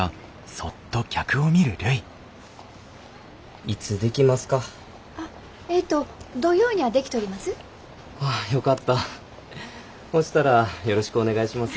そしたらよろしくお願いします。